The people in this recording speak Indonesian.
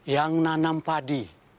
yang menanam padi